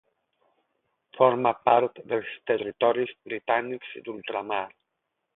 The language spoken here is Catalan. Forma part dels territoris Britànics d'Ultramar.